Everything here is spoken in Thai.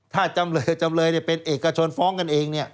ถ้าจำเลยจำเลยเป็นเอกชนฟ้องกันเอง